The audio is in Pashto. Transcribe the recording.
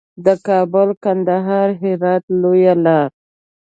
د کابل، کندهار، هرات لویه لار.